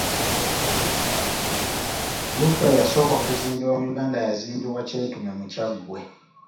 Lufula eyasooka okuzimbibwa mu Uganda yazimbibwa Kyetume mu Kyaggwe.